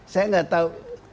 saya tidak tahu